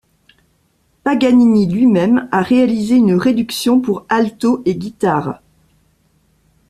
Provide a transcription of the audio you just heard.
Paganini lui-même a réalisé une réduction pour alto et guitare.